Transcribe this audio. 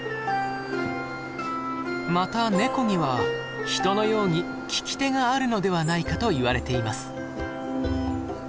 またネコには人のように利き手があるのではないかといわれています。